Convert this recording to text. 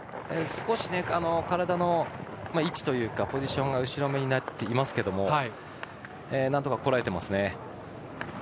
少し体の位置というかポジションが後ろめになってますけどなんとか、こらえていますね。